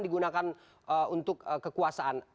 digunakan untuk kekuasaan